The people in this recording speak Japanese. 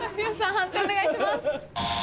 判定お願いします。